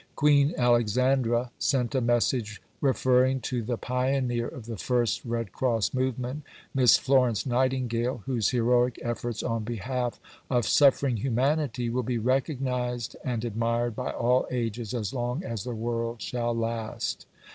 Queen Alexandra sent a message referring to "the pioneer of the first Red Cross movement, Miss Florence Nightingale, whose heroic efforts on behalf of suffering humanity will be recognized and admired by all ages as long as the world shall last."